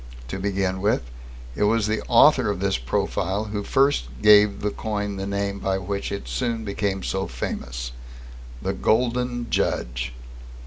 To begin with, it was the author of this profile who first gave the coin the name by which it soon became so famous the "Golden Judge."